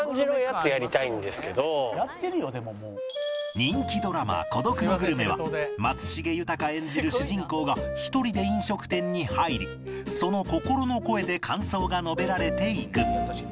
人気ドラマ『孤独のグルメ』は松重豊演じる主人公が一人で飲食店に入りその心の声で感想が述べられていく